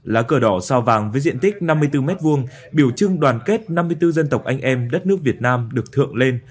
lá cờ đỏ sao vàng với diện tích năm mươi bốn m hai biểu trưng đoàn kết năm mươi bốn dân tộc anh em đất nước việt nam được thượng lên